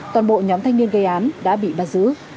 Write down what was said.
toàn bộ nhóm thanh niên gây án đã bị bắt giữ